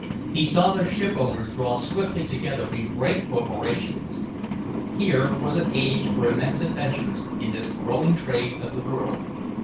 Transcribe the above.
He saw their shipowners draw swiftly together in great corporations. Here was an age for immense adventures in this growing trade of the world.